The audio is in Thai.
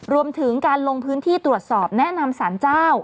รวมถึงการลงพื้นที่ตรวจสอบแนะนำสารเจ้า